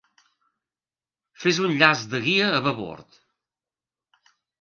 Fes un llaç de guia a babord.